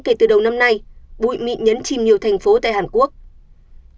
kể từ đầu năm nay bụi mịn nhấn chìm nhiều thành phố tại hàn quốc